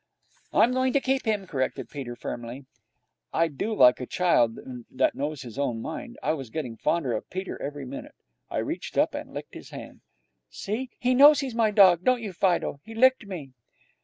'I'm going to keep him,' corrected Peter firmly. I do like a child that knows his own mind. I was getting fonder of Peter every minute. I reached up and licked his hand. 'See! He knows he's my dog, don't you, Fido? He licked me.'